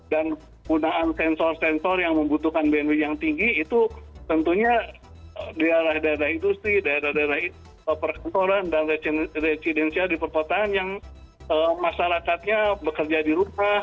dan gunaan sensor sensor yang membutuhkan bandwidth yang tinggi itu tentunya di arah daerah industri daerah daerah perkembangan dan residensial di perkotaan yang masyarakatnya bekerja di rumah